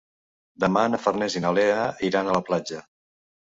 Demà na Farners i na Lea iran a la platja.